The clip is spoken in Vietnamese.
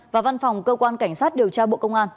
và văn phòng cơ quan cảnh sát điều tra bộ công an